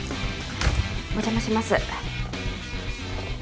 お邪魔します